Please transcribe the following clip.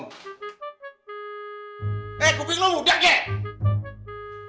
eh gue bingung udah nggak